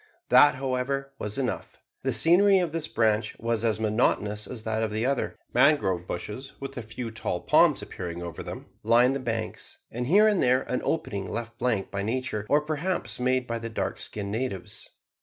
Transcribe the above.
That, however, was enough. The scenery of this branch was as monotonous as that of the other. Mangrove bushes, with a few tall palms appearing over them, lined the banks, and here and there an opening left blank by nature, or perhaps made by the dark skinned natives.